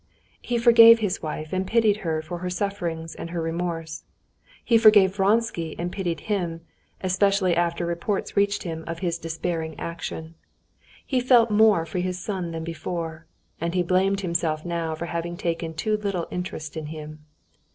He forgave his wife and pitied her for her sufferings and her remorse. He forgave Vronsky, and pitied him, especially after reports reached him of his despairing action. He felt more for his son than before. And he blamed himself now for having taken too little interest in him.